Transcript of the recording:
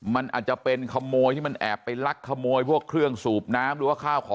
มันอาจจะเป็นขโมยที่มันแอบไปลักขโมยพวกเครื่องสูบน้ำ